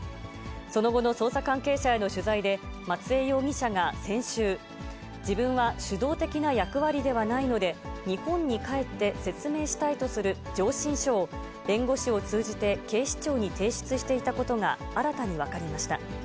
その後の捜査関係者への取材で、松江容疑者が先週、自分は主導的な役割ではないので、日本に帰って説明したいとする上申書を、弁護士を通じて警視庁に提出していたことが新たに分かりました。